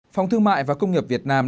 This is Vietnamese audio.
phòng thương mại và công nghiệp việt nam